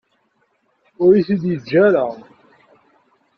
Ur iyi-t-id-yeǧǧa ara.